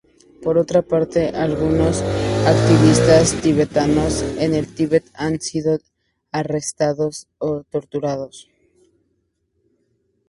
Por otra parte, algunos activistas tibetanos en el Tíbet han sido arrestados o torturados.